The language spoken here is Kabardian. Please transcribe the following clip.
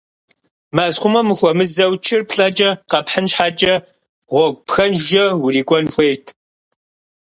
Мэзхъумэм ухуэмызэу чыр плӀэкӀэ къэпхьын щхьэкӀэ гъуэгу пхэнжкӏэ урикӏуэн хуейт.